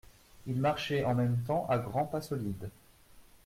Il marchait en même temps à grands pas solides.